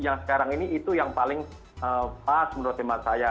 yang sekarang ini itu yang paling pas menurut hemat saya